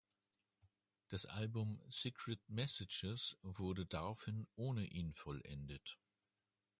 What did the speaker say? Das Album „Secret Messages“ wurde daraufhin ohne ihn vollendet.